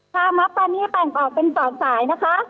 คาร์มครับตอนนี้ปรังออกเป็น๒สายนะคะ